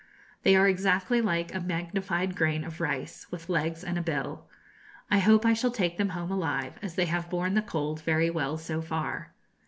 They are exactly like a magnified grain of rice, with legs and a bill. I hope I shall take them home alive, as they have borne the cold very well so far.